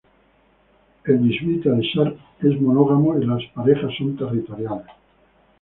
El bisbita de Sharpe es monógamo y las parejas son territoriales.